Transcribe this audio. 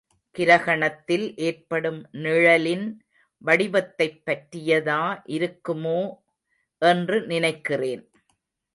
கிரகணத்தில் ஏற்படும் நிழலின் வடிவத்தைப் பற்றியதா இருக்குமோ என்று நினைக்கிறேன்.